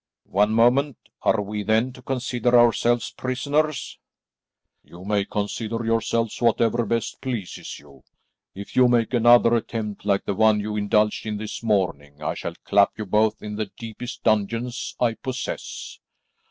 "One moment. Are we then to consider ourselves prisoners?" "You may consider yourselves whatever best pleases you. If you make another attempt like the one you indulged in this morning, I shall clap you both in the deepest dungeons I possess.